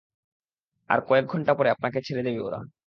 আর কয়েক ঘণ্টা পরে আপনাকে ছেড়ে দেবে ওরা।